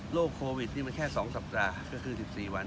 โควิดนี่มันแค่๒สัปดาห์ก็คือ๑๔วัน